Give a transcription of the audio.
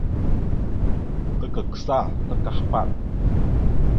Ta kagsa ta kahpaɗ.